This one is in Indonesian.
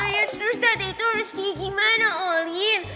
ya terus tata itu reski gimana olin